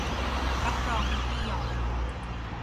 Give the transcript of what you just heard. รับรองให้เป็นที่ยอมรับ